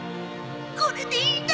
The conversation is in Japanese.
これでいいんだ！